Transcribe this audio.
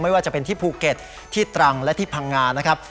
ว่าจะเป็นที่ภูเก็ตที่ตรังและที่พังงานะครับ